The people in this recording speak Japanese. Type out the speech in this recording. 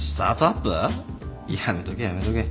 やめとけやめとけ。